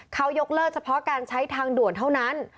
เขายกเลิกเฉพาะการใช้ทางด่วนเท่านั้น